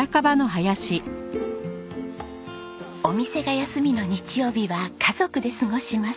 お店が休みの日曜日は家族で過ごします。